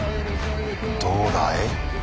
どうだい？